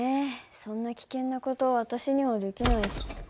そんな危険な事私にはできないし。